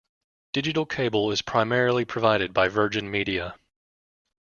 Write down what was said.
Digital cable is primarily provided by Virgin Media.